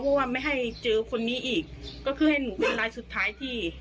เพราะว่าไม่ให้เจอคนนี้อีกก็คือให้หนูเป็นรายสุดท้ายที่